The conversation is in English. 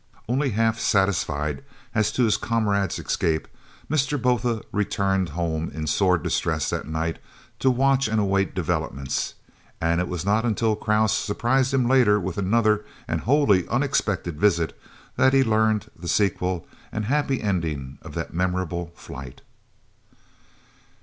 Only half satisfied as to his comrade's escape, Mr. Botha returned home in sore distress that night to watch and await developments, and it was not until Krause surprised him later with another and wholly unexpected visit that he learnt the sequel and happy ending of that memorable flight.